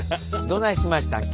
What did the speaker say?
どないしましたん？